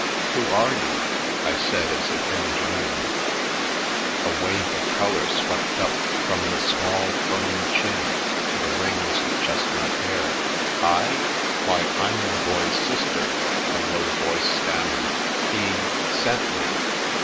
" Who are you ?" I said as if in a dream. A wave of colour swept up from the small, firm chin, to the rings of chestnut hair. " I — ^why, I'm the Boy's sister," a low voice stammered. " He — sent me.